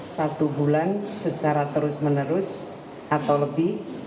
satu bulan secara terus menerus atau lebih